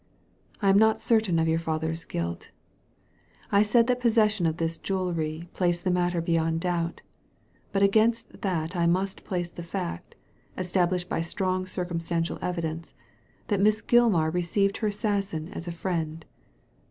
" I am not certain of your father's guilt I said that the possession of this jewellery placed the matter beyond doubt ; but against that I must place the fact — established by strong circum stantial evidence — ^that Miss Gilmar received her assassin as a friend.